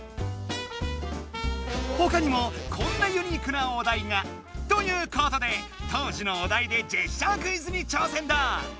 ほかにもこんなユニークなお題が！ということで当時のお題でジェスチャークイズに挑戦だ！